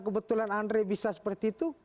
kebetulan andre bisa seperti itu